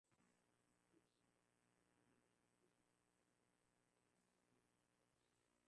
mpito cha miezi kumi na moja ambapo